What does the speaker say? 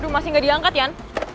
masih gak diangkat yan